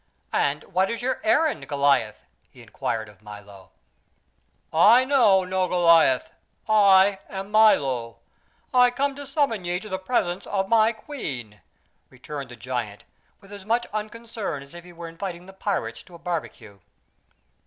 And what is your errand, Goliath?" he inquired of Milo. "I know no Goliath. I am Milo. I come to summon ye to the presence of my queen," returned the giant with as much unconcern as if he were inviting the pirates to a barbecue.